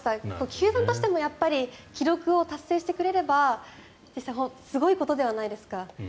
球団としても記録を達成してくれればすごいことではないですか。